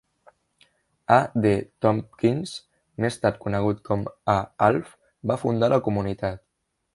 A. D. Tompkins, més tard conegut com a "Alf", va fundar la comunitat.